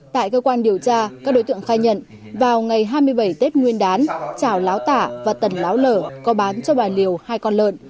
tại cơ quan điều tra các đối tượng khai nhận vào ngày hai mươi bảy tết nguyên đán trảo láo tả và tần láo lở có bán cho bà liều hai con lợn